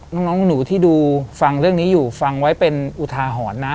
น้องหนูที่ดูฟังเรื่องนี้อยู่ฟังไว้เป็นอุทาหรณ์นะ